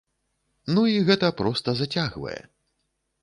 Ну, і гэта проста зацягвае.